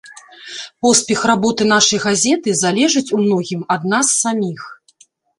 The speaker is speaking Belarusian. Поспех работы нашай газеты залежыць у многім ад нас саміх.